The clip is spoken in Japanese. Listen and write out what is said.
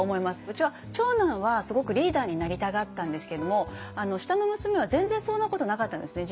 うちは長男はすごくリーダーになりたがったんですけども下の娘は全然そんなことなかったんですね。